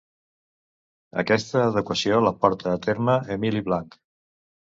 Aquesta adequació la portà a terme Emili Blanch.